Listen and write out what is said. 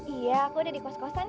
iya aku udah di kos kosan